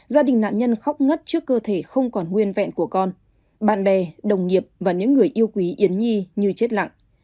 gia đình nạn nhân khóc ngất trước cơ thể không còn nguyên vẹn của con bạn bè đồng nghiệp và những người yêu quý yến nhi như chết lặng